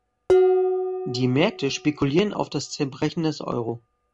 Die Märkte spekulieren auf das Zerbrechen des Euro.